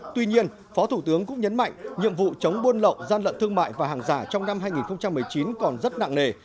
tuy nhiên phó thủ tướng cũng nhấn mạnh nhiệm vụ chống buôn lậu gian lận thương mại và hàng giả trong năm hai nghìn một mươi chín còn rất nặng nề